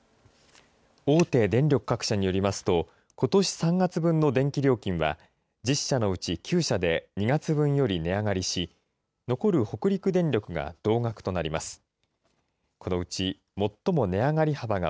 大手電力各社によりますと、ことし３月分の電気料金は、１０社のうち９社で２月分より値上がりし、残る北陸電力が同額となります。